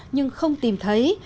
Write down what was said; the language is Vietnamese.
nhưng không tìm thấy